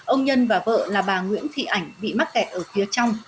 ông nhân và vợ là bà nguyễn thị ảnh bị mắc kẹt ở phía trong